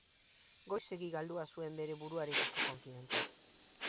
Goizegi galdua zuen bere buruarekiko konfiantza.